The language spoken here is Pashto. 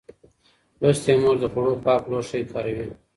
لوستې مور د خوړو پاک لوښي کاروي.